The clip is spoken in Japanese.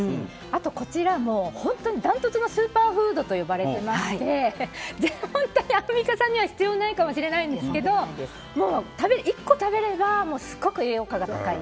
あとこちら、本当にダントツのスーパーフードと呼ばれていましてアンミカさんには必要ないかもしれないんですけど１個食べればすごく栄養価が高い。